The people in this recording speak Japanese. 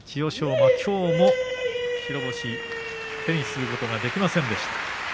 馬、きょうも白星手にすることができませんでした。